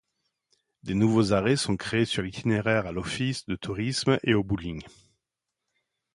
De nouveaux arrêts sont créés sur l'itinéraire à l'Office de Tourisme et au bowling.